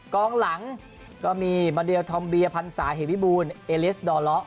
กล้องหลังก็มีมาเดียลทอมเบียพันษาเฮบิบูนเอเลียสดอลล้อ